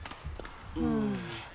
うん。